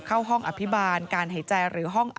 เข้าห้องอภิบาลการหายใจหรือห้อง